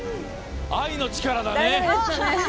愛の力だね。